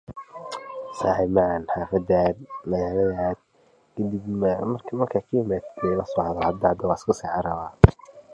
Cabinet itself-or full Cabinet-is further divided into committees.